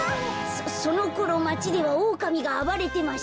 そのころまちではオオカミがあばれてました。